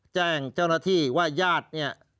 แจ้งเจ้าหน้าที่ว่าญาติเนี่ย